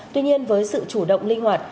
tuy nhiên với sự chủ động linh hoạt